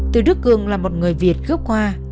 từ đức cường là một người việt gốc hoa